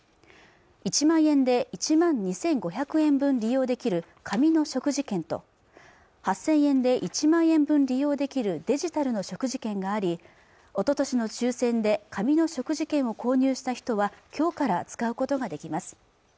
１万円で１万２５００円分利用できる紙の食事券と８０００円で１万円分利用できるデジタルの食事券がありおととしの抽選で紙の食事券を購入した人は今日から使うことができます